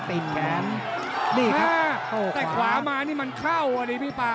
แต่ขวามานี่มันเข้าอันนี้พี่ป่า